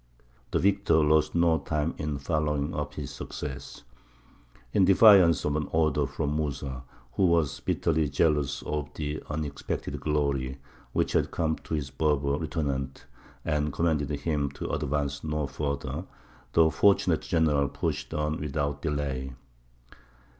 The victor lost no time in following up his success. In defiance of an order from Mūsa, who was bitterly jealous of the unexpected glory which had come to his Berber lieutenant, and commanded him to advance no further, the fortunate general pushed on without delay.